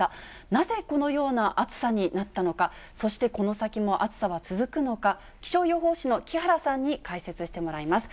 なぜこのような暑さになったのか、そしてこの先も暑さは続くのか、気象予報士の木原さんに解説してもらいます。